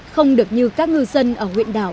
không được như các ngư dân ở huyện đảo